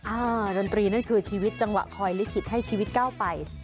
ดนตรีนั่นคือชีวิตจังหวะคอยลิขิตให้ชีวิตก้าวไป